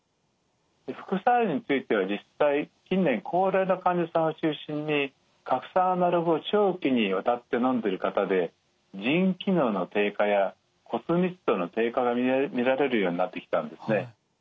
副作用については実際近年高齢の患者さんを中心に核酸アナログを長期にわたってのんでる方で腎機能の低下や骨密度の低下が見られるようになってきたんですね。